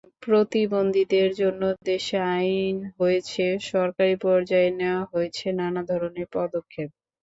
প্রতিবন্ধীদের জন্য দেশে আইন হয়েছে, সরকারি পর্যায়ে নেওয়া হয়েছে নানা ধরনের পদক্ষেপ।